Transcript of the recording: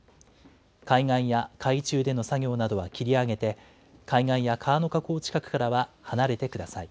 海岸や海中での作業などは切り上げて、海岸や川の河口近くからは離れてください。